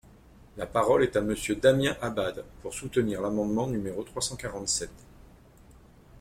La parole est à Monsieur Damien Abad, pour soutenir l’amendement numéro trois cent quarante-sept.